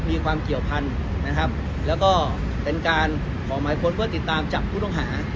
มีความเกี่ยวพันธุ์นะครับแล้วก็เป็นการขอหมายค้นเพื่อติดตามจับผู้ต้องหา